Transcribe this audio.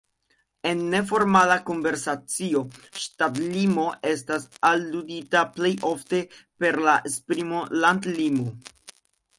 En neformala konversacio ŝtatlimo estas aludita plej ofte per la esprimo landlimo.